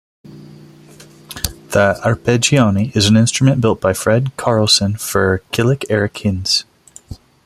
The H'arpeggione is an instrument built by Fred Carlson for Killick Erik Hinds.